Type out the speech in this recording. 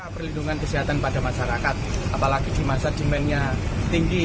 perlindungan kesehatan pada masyarakat apalagi di masa demandnya tinggi